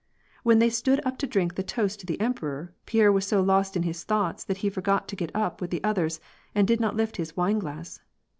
When they stood up to drink the toast to the emperor, Pierre was so' lost in his thoughts, that he forgot to get up with the others, and did not lift his wineglass.